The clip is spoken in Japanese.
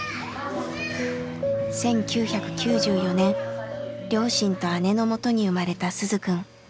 １９９４年両親と姉のもとに生まれた鈴くん。